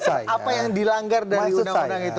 apa yang dilanggar dari undang undang itu